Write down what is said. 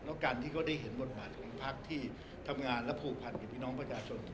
แล้วการที่เขาได้เห็นบทบาทของพักที่ทำงานและผูกพันกับพี่น้องประชาชน